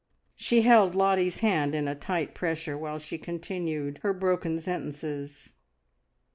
She held Lottie's hand in a tight pressure while she continued her broken sentences.